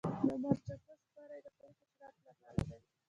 د مرچکو سپری د کومو حشراتو لپاره دی؟